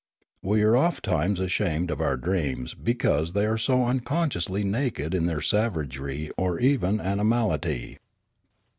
We are ofttimes ashamed of our dreams because they are so un consciously naked in their savagery or even animality.